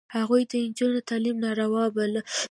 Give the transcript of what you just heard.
هغوی د نجونو تعلیم ناروا باله.